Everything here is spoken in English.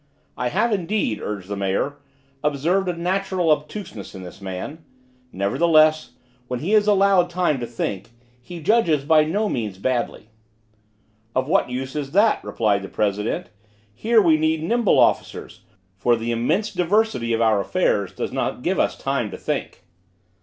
"I have, indeed," urged the mayor, "observed a natural obtuseness in this man; nevertheless, when he is allowed time to think, he judges by no means badly." "Of what use is that," replied the president; "here we need nimble officers, for the immense diversity of our affairs does not give us time to think."